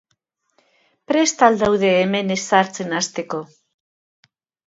Prest al daude hemen ezartzen hasteko?